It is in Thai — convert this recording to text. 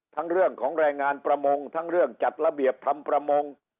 เรื่องของแรงงานประมงทั้งเรื่องจัดระเบียบทำประมง